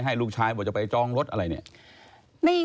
ให้ลูกชายบอกจะไปจองรถอะไรเนี่ย